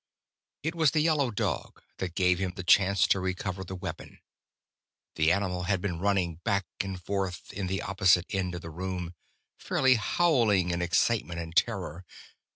It was the yellow dog that gave him the chance to recover the weapon. The animal had been running back and forth in the opposite end of the room, fairly howling in excitement and terror.